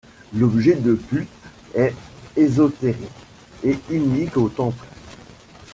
L'objet de culte est ésotérique et unique au temple.